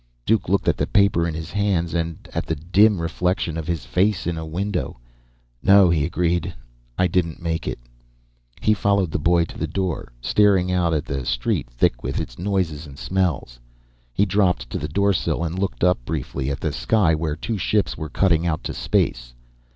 Duke looked at the paper in his hands and at the dim reflection of his face in a window. "No," he agreed. "I didn't make it." He followed the boy to the door, staring out at the street, thick with its noises and smells. He dropped to the doorsill and looked briefly up at the sky where two ships were cutting out to space.